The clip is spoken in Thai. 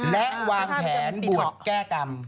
และวางแผนบวชแก้กรรม